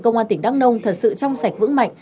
công an tỉnh đắk nông thật sự trong sạch vững mạnh